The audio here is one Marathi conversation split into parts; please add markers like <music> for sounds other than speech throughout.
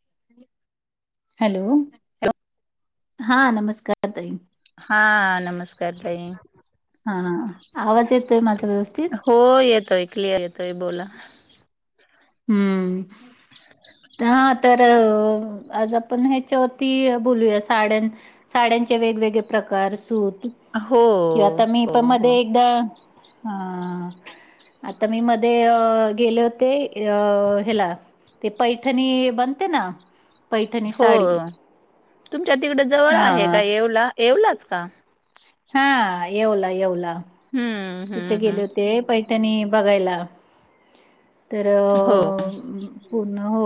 <unintelligible> हॅलो, हॅलो हा नमस्कार ताई. हा नमस्कार ताई हा हा, आवाज येतोय माझा व्यवस्थित? हो येतोय, क्लिअर येतोय बोला. हम्म. <inaudible> हा तर, आज आपण हेच्यावरती बोलूया साड्या साड्यांचे वेगवेगळे प्रकार सूत हो किंवा अता मी हो पण हो मध्ये एकदा हा, आता मी मध्ये अ गेले होते अ हेला ते पैठणी बनते ना, पैठणी साडी. हो तुमच्या तिकड जवळ हा आहे का येवला? येवलाच का? हा येवला, येवला. हम्म. तिथे हम्म गेले हम्म होते पैठणी बघायला. तर अ हो पूर्ण हो.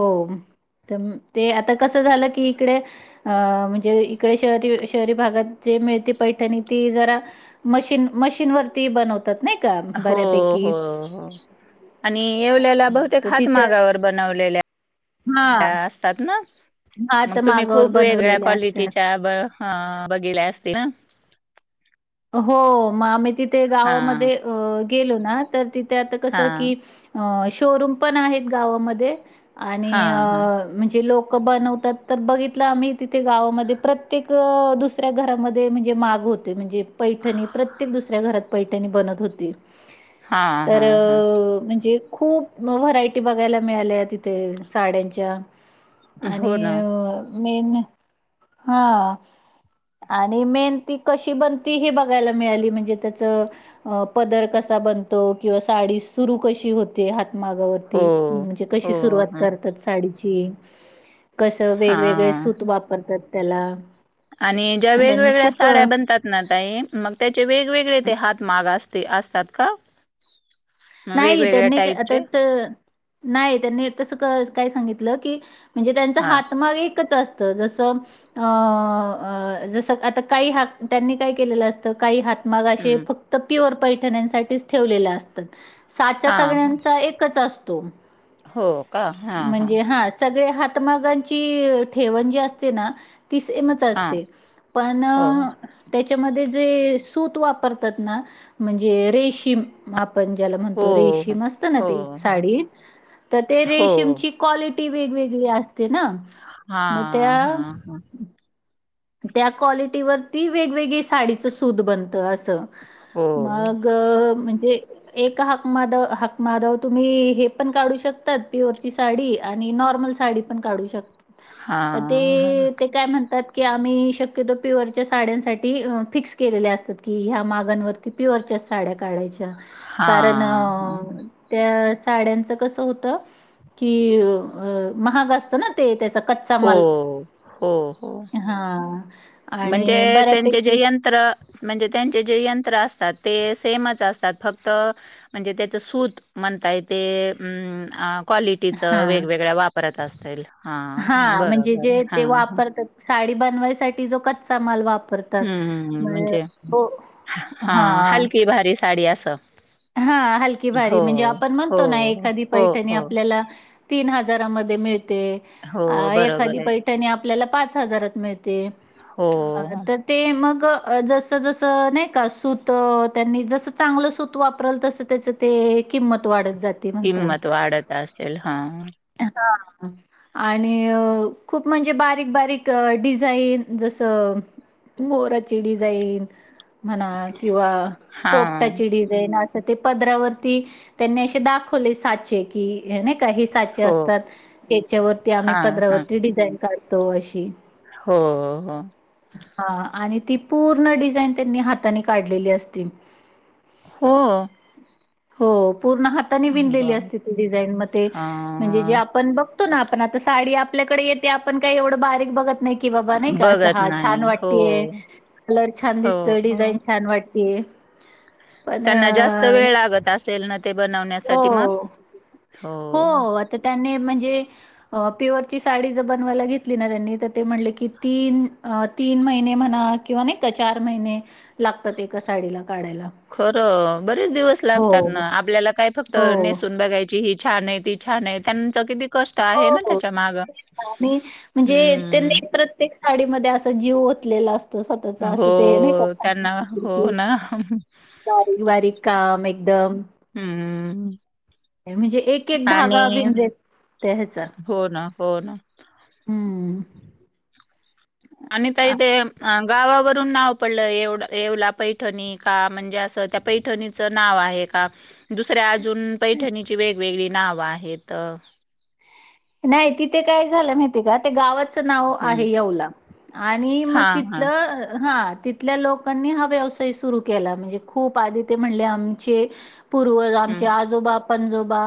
तर ते आता कसं झालं की इकडे अ म्हणजे इकडे शहरी शहरी भागात जे मिळते पैठणी ती जरा मशीन, मशीनवरती बनव त्यात नाही का? हो हो बऱ्यापैकी. हो. आणि येवल्याला हं. बहुतेक तर तिथे हातमागावर बनवलेल्या हां. असतात ना. हात मग तुम्ही मागावर खूप वेगळ्या बनवलेले असतात. क्वालिटीच्या बघितल्या असतील ना. हो मग, आम्ही तिथे हा गावामध्ये अ गेलो ना, तर तिथे आता कस हा की अ शोरूम पण आहेत गावामध्ये आणि हा हा म्हणजे लोक बनवत त्यात तर बघितल आम्ही तिथे गावामध्ये प्रत्येक दुसऱ्या घरामध्ये म्हणजे माग होते म्हणजे पैठणी प्रत्येक दुसऱ्या घरात पैठणी बनत होती. हा तर हा म्हणजे खूप मग व्हरायटी बघायला मिळाल्या तिथे साड्यांच्या हा हो आणि ना मेन हा आणि मेन ती कशी बन ती. हे बघायला मिळाली म्हणजे त्याचं अ पदर कसा बनतो किंवा साडी सुरू कशी होते हातमागावर हो ती म्हणजे हो कशी सुरुवात ह करतात साडीची कसं वेगवेगळे हा सूत वापरतात त्याला आणि ज्या त्यांनी वेगवेगळ्या खूप साड्या बनतात ना ताई मग त्याचे वेगवेगळे ते हात माग असते असतात का? नाही वेगवेगळ्या त्यांनी ते टाईपचे आताच नाही त्यांनी तस काय सांगितलं की, म्हणजे त्यांचा हा हातमाग एकच अस त जसं अ अ जस आता काही हात त्यांनी काय केलेलं असतं, काही हात मागाचे हम्म फक्त प्युअर पैठण्यासाठीच ठेवलेले असतात. साच्या हा हा सगळ्यांचा एकच असतो. हो का हा म्हणजे हा सगळे हात हातमागांची ठेवण जी असते ना ती सेमच हा असते पण हो त्याच्यामधे जे सूत वापरतात ना, म्हणजे रेशीम आपण ज्याला म्हणतो हो हो. रेशीम असत ना ते हो हो साडी, तर ते हो रेशीमची क्वालिटी वेगवेगळी असते ना हा मग त्या हा हा. त्या क्वालिटीवरती वेगवेगळी साडीचं सूत बनतं असं. हो मग म्हणजे एका हाकमाद हाकमाद तुम्ही हे पण काढू शकतात पिओर पीस साडी आणि नॉर्मल साडी पण काढू शकतात तर हां हां ते, ते काय म्हणतात की आम्ही शक्यतो प्युअरच्या साड्यांसाठी फिक्स केलेल्या असतात, की ह्या मागांवरती प्यूअरच्याच साड्या काढायच्या. कारण हां हां. त्या साड्यांचं कस होत की अ महाग असत ना ते त्याच हो हो. हो, हां म्हणजे आणि त्यांचे जे बऱ्यापैकी यंत्र म्हणजे त्यांचे जे यंत्र असतात ते सेमच असतात, फक्त म्हणजे त्याच सूत म्हणताय ते ऊ अ क्वालिटीचं हां. वेगवेगळ्या वापरत असतील हा हां. म्हणजे जे ते वापरतात साडी बनवायसाठी जो कच्चा माल वाप वापरतात म्हणजे हो हा. की भारी साडी अस. हा हलकी भारी! म्हणजे आपण हो म्हणतो ना एखादी हो पैठणी हो आपल्याला तीन हजारामधे मिळते अ हो एखादी बरोबर आहे पै पैठणी आपल्याला पाच हजारात मिळते, हो अ तर ते मग जस जस नाही का सूत त्यांनी जसं चांगलं सूत वाप वापरत तसं त्याच ते किंमत वाढत जात किंमत वाढत असेल हा. हा. आणि खूप म्हणजे बारीक बारीक अ डिझाईन जसं मोराची डिझाईन म्हणा, किंवा हा पोपटाची डिझाईन अस त ते पदरावरती त्यांनी असे दाखवले साचे की हे नाय का साचे हो असतात त्याच्यावरती आम्ही हा हा पदरावरती डिझाईन काढतो अशी. हो हो. हा आणि ती पूर्ण डिझाईन त्यांनी हातानी काढलेली असते. हो. हो पूर्ण हाताने विनलेली बरं. असते ती डिझाईन, म ते म्हणजे हा जे आपण बघ बघतो ना आपण, आता साडी आपल्याकडे येते आपण काही एवढं बारीक बघत नाही. कि बाबा नाही का असं बघत हा नाही. छान हो, वाटतेय, कलर छान हो, दिसतोय, हो. डिझाईन छान वाटतेय. पण त्यांना जास्त अ, वेळ लागत असेल ना ते बनवण्यासाठी मग? हो, हो. त्याने म्हणजे? ह प्युअरची साडी जर बनवायला घेतली ना त्यांनी तर ते म्हटले की तीन अ तीन महिने म्हणा किंवा नाही का चार महिने लागतात एका साडीला काढायला. खरं बरेच दिवस हो, लागतात ना. आपल्याला काय फक्त हो. नेसून बघायची ही छान आहे, ती छान आहे त्यांच किती कष्ट हो आहे ना हो त्याच्या मागं. तेच त आणि म्हणजे हम्म. त्यांनी प्रत्येक सााडीमध्ये असा, जीव ओतलेला असतो. स्वतःचा, असं ते नाई का हो त्यांना <unintelligible> हो की. ना. बारीक बारीक काम एकदम! हम्म. म्हणजे एक एक धागा आणि बिन <inaudible> त्या ह्याचा. हो ना, हो ना. हम्म. आणि ताई ते अं गावावरून नाव पडलं एवढं, येवला पैठणी का, म्हणजे असं त्या पैठणीचं नाव आहे का? दुसऱ्या अजून, पैठणीची वेगवेगळी नावं आहेत. न्हाई तिथं काय झालं माहिततेय का? ते गावाचं नाव आहे हं, येवला, आणि मग हां, हां. तिथलं, हा तिथ -थल्या लोकांनी हा व्यवसाय सुरू केला. म्हणजे खूप आधी ते म्हणले, आमचे पूर्वज, आमचे हं, आजोबा पंजोबा,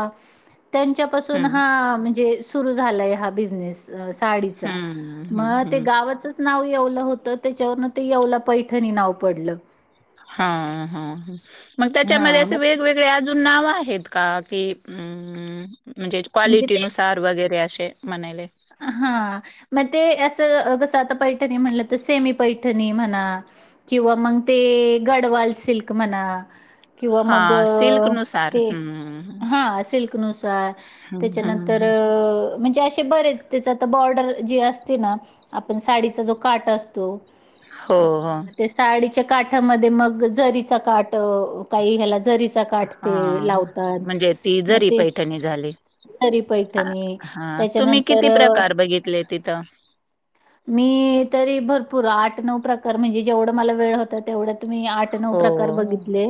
त्यांच्यापासून हं, हा म्हणजे सुरू झालाय हा बिझनेस, साडीचा. हं, हं, म ते हं. गावचंच नाव येवलं होतं, त्याच्यावरनं ते, येवला पैठणी नाव पडलं. हा हा, मग त्याच्यामध्ये हा असे मग वेगवेगळे वेगळे अजून नाव आहेत का कि, अं म्म्म म्हणजे क्वालिटीनुसार वगैरे, अशे म्हणायले. अं हा, मग ते असं कसं, आता पैठणी म्हणलं तर सेमी पैठणी म्हणा किंवा मग ते गडवाल सिल्क म्हणा किंवा मग, हां, सिल्कनुसार. ते हं, हं, हा सिल्कनुसार, हं, त्याच्यानंतर हं. म्हणजे असे बरेच त्याचं आता बॉर्डर जी असती ना, आपण साडीचा जो काट असतो हो अ, हो. ते साडीच्या काठामध्ये मग जरीचा काठ काई ह्याला जरीचा काठ ते हां. लावतात, म्हणजे ती मग जरी ते. पैठणी झाली. - सरी हा पैठणी, हा, तुम्ही त्याच्यानंतर किती अ प्रकार बघितले तिथं? मी तरी भरपूर, आठ नऊ प्रकार, म्हणजे जेवढं मला वेळ होता तेवढं मी आठ नऊ हो प्रकार बघितले,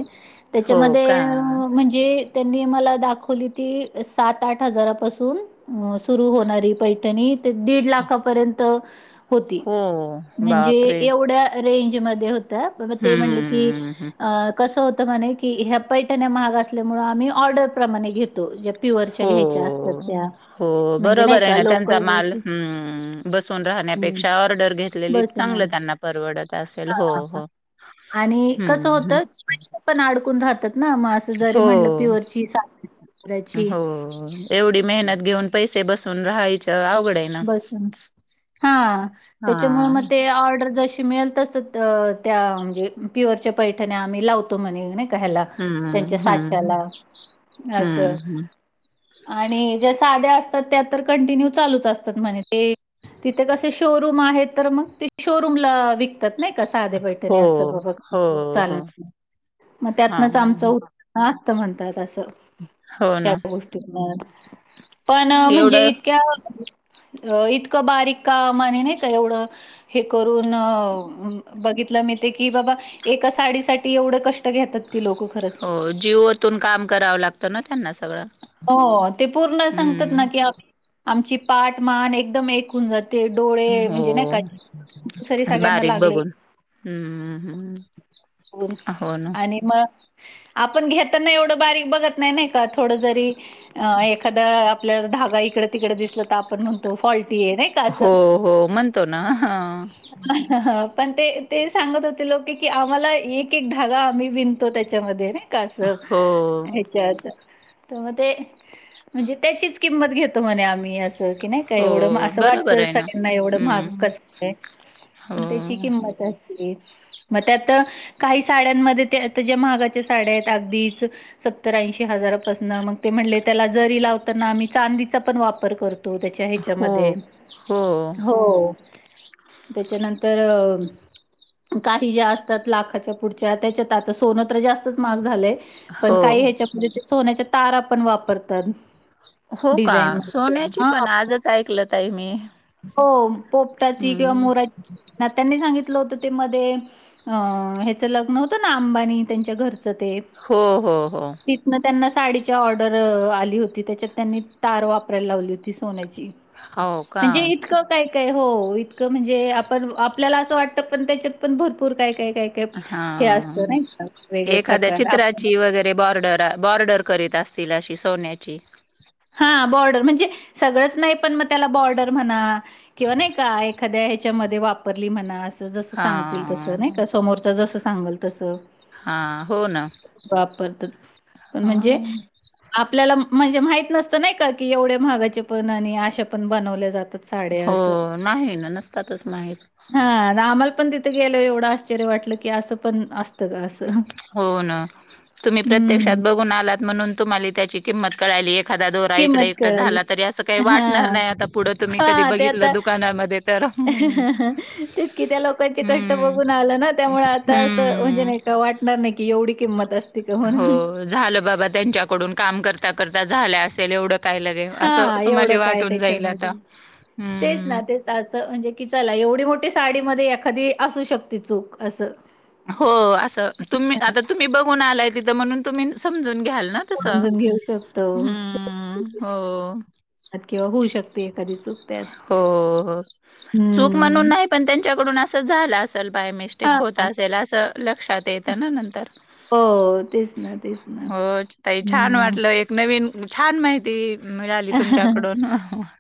हो का त्याच्यामध्ये जे त्यांनी आम्हाला दाखवली ती, अं सात आठ हजारापासून सुरू होणारी पैठणी ते दीड लाखापर्यंत होती. हो म्हणजे बापरे एवढ्या रेंज मध्ये होतं, ते म्हनलं की हम्म अं कसं होतं म्हणे की, ह्या पैठण्या महाग असल्यामुळे आम्ही ऑर्डर प्रमाणे घेतो, ज्या प्युअरच्या हो घ्यायच्या असतात त्या, हो म्हणजे नाई बरोबर आहे ना त्यांचा माल, हम्म बसून हं, राहण्यापेक्षा, ऑर्डर घेतलेली बसून चांगलं आण. त्यांना. परवडत असेल. हां हो हां. हो. आणि कसं हम्म होतं, पैसे पण अडकून राहतात ना मग असं जरी म्हणलं, हो प्युअरची सात हजाराची हो एवढी मेहनत घेऊन पैसे बसून राहायच्या, अवघड ए. बसून, हा हा त्याच्यामुळे मग ते ऑर्डर जशी मिळेल तसं तर त्या म्हणजे प्युअरच्या पैठण्या आम्ही लावतो म्हणे, नाई ह्याला, हम्म त्यांच्या हम्म साच्याला, हम्म असं हम्म आणि ज्या साध्या असतात, त्या तर कंटिन्यू चालूच असतात. सत म्हणे तें, तिथे कसे शोरूम आहेत, तर मग तें शोरूम ला वीक तात नही का, साधे हो बैठणी, असं बाबा हो हो चालणार मग हा त्यातनच आमचं, उत्प <unintelligible> असता म्हणतात, असं. हो ना त्या गोष्टीना, पण म्हणजे, एवढं इतक्या अ इतकं बारीक काम अणि नाही का, एवढं हे करून, बघितलं मी. तें की बाबा, एका साडी साठी, एवढं कष्ट घेतात. ती लोकं खरंच. हो जीव ओतून काम करावं, लागतं ना, त्यांना सगळं. हो, ते पूर्ण सांगतात ना, हम्म की आमची पाट-मान एकदम एक होऊन जात ते डोळे, म्हणजे नही का, हो सरी सगळ्यांना बारीक लागले बघून हम्म हम्म. ह्म, हो ना आणि मग आपण घेताना एवढं बारीक बघत नाही, नही का, थोडं जरी एखादा आप ल्याला धागा जरी इकड-तिकड दिसला, त आप ण म्हणतो, फॉल्टी ये, नईका असं. हो हो म्हणतो ना हं. पण ते, ते सांगत होते लोकं की, आम्हाला एक-एक धागा, आम्ही विनतो त्याच्यामध्य नई. का असं हो ह्याच्यात. त म ते, म्हणजे त्याचीच किंमत घेतो, म्हणे आम्ही असं, की नाही. काय हो एवढं महाग, असं बरोबर वाटतं आहे ना सगळ्यांना एवढं महाग, हम्म कस काय, हो त्याची किंमत अस म त्यात, काही साड्यांमध्ये, त्यात आता ज्या महागाच्या साड्या येत, अगदीच सत्तर- ऐंशी हजारापासन, म ते म्हणले, त्याला जरी लावताना, आम्ही चांदीचा पण वापर कर तो त्याच्या हो ह्याच्यामध्ये, हो हो. त्याच्यानंतर अ काही ज्या असतात, लाखाच्या पुढच्या, त्याच्यात आता सोनत जास्तच महाग झालय. पण हो काही ह्याच्यामध्ये, ते सोन्याच्या तारा पण वापरतात. हो का डिझाईन म सोन्याची पण हो आजच ऐकलं ताई मी पोपटाची किंवा हम्म मोरा ना त्यांनी सांगितलं होतं, ते मध्ये अ ह्याचं लग्न होतं ना, अंबानी त्यांच्या घरचं, ते? हो हो हो. तिथनं त्यांना साडीची ऑर्डर आली होती, त्याच्यात त्यांनी, तार वापरायला लावली होती. ती सोन्याची, हो का म्हणजे इतकं काय- काय, हो इतकं, म्हणजे आपण आपल्याला असं वाटतं, पण त्याच्यात, पण भरपूर काय- काय काय, काय हे असतं हां, नाही का वेगवेगळे एखाद्या प्रकार आपल्याला चित्राची वगैरे, बॉर्डर ड-बॉर्डर करीत असतील, अशी सोन्याची हां बॉर्डर, म्हणजे सगळंच नही, पण मग त्याला बॉर्डर म्हणा. किंवा नाही का, एखाद्या ह्याच्यामध्ये, वापरली म्हणा असं जस सांगतील तस, हां, नाही का समोरच जस सांगल तस. हां, हो ना. वापरतात, पण म्हणजे हां, आपल्याला, म्हणजे माहित नसतं नाही का, की एवढे महागाचे पण, आणि अशा पण बनवल्या जातात. साड्या हो असं, नाही ना नसतातच माहीत. हं आम्हाला पण तीत गेल्यावर आश्चर्य वाटलं की, असं पण अस हो ना, तुम्ही प्रत्यक्षात हम्म, बघून आलात, म्हणून तुम्हाला त्याची किंमत कळायली, एखादा दोरा इकडे- किंमत इकडं कळाली. झाला, तरी असं काही वाटणार हां, नाही, आता पुढं तुम्ही कधी हां, ते बघितलं, आता दु कानामध्ये, तर हं. तेच कि त्या लोकांचे कष्ट हं, बघून आलं ना त्यामुळे आज आता असं म्हणजे हं. नाही का वाटणार नाही की एवढी किंमत असती का हो म्हणून झालं बाबा त्यांच्याकडून काम करता करता झालं असेल एवढं काय ल असं हां, एवढं तुम्हाला काय वाटून जाईल आता त्याच्यामध्ये. तेच हम्म! ना, तेच असं म्हणजे कि चला एवढी मोठी साडी मध्ये एखादी असू शकते चूक असं हो असं तुम्ही आता तुम्ही बघून आलाय तिथं म्हणून तुम्ही समजून घ्याल ना! तस समजून घेऊ शकतो. हम्म हो. किंवा होऊ शकते एखादी चूक त्यात. हो चूक म्हणून हम्म. नाही पण त्यांच्याकडून असं झालं अस तर बाय मिस्टेक हां, होत हां. असेल असं लक्षात येतं ना नंतर हो, तेच ना, तेच ना. हो ताई छान वाटलं एक नवीन छान माहिती मिळाली तुमच्याकडून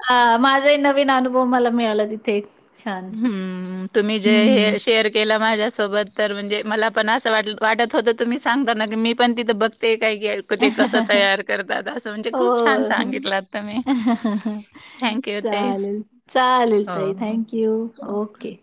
ह माझा ही नवीन अनुभव मला मिळाला तिथे. छान. हम्म तुम्ही जे हं. हे शेअर केलं माझ्यासोबत तर म्हणजे मला पण असं वाट वाटत होतं तुम्ही सांगता ना की मी पण तिथं बघते काय घेईल. ते कसं तयार करतात असं म्हणजे खूप छान हो, हो. सांगितल तुम्ही. थँक यू ताई. चालेल चालेल हो, ताई हो, थँक यू हो. ओके.